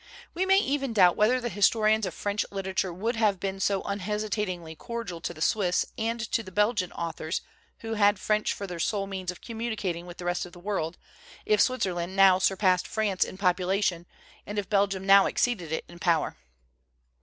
We may even doubt whether the historians of French literature would have been so unhesitatingly cordial to the Swiss and to the Belgian authors who had French for their sole means of communi cating with the rest of the world, if Switzerland now surpassed France in population and if Bel gium now exceeded it in power.